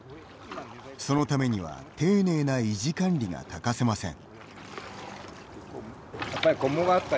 そのためには丁寧な維持管理が欠かせません。